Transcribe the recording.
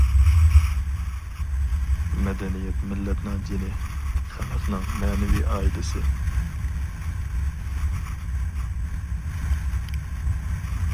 مەدەنىيەت مىللەتنىڭ جېنى، خەلقنىڭ مەنىۋى ئائىلىسى.